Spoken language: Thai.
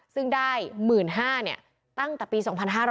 ซึ่งได้๑๕๐๐ตั้งแต่ปี๒๕๕๙